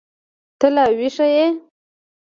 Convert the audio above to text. ته لا ويښه يې.